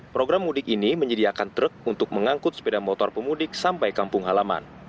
program mudik ini menyediakan truk untuk mengangkut sepeda motor pemudik sampai kampung halaman